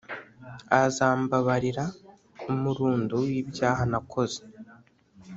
azambabarira umurundo w’ibyaha nakoze»;